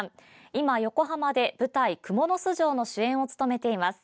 今、横浜で舞台「蜘蛛巣城」の主演を務めています。